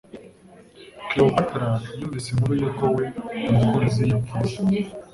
Cleopatra yumvise inkuru yuko we umukunzi yapfuye